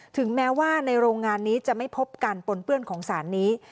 ถึงแม้ว่าในโรงงานนี้จะไม่พบการปนเปื้อนของสารนี้